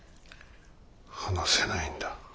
話せないんだ。